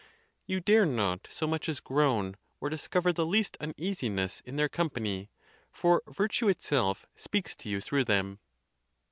You dare not so much as groan, or discover the least uneasiness in their company, for vir tue itself speaks to you through them.